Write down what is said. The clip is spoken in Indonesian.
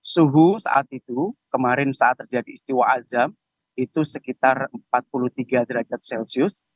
suhu saat itu kemarin saat terjadi istiwa azam itu sekitar empat puluh tiga derajat celcius